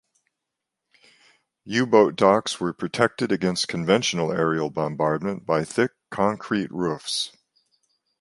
U-boat docks were protected against conventional aerial bombardment by thick concrete roofs.